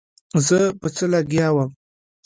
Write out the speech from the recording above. زه په څه لګيا وم.